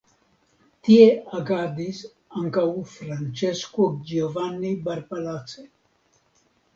Tie agadis ankaŭ Francesco Giovanni Barbalace.